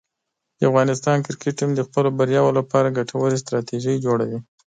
د افغانستان کرکټ ټیم د خپلو بریاوو لپاره ګټورې ستراتیژۍ جوړوي.